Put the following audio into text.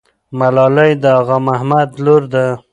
ملالۍ د اغا محمد لور ده.